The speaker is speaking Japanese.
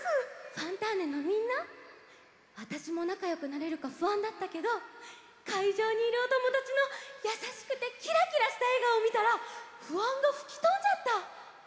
「ファンターネ！」のみんなわたしもなかよくなれるかふあんだったけどかいじょうにいるおともだちのやさしくてキラキラしたえがおをみたらふあんがふきとんじゃった！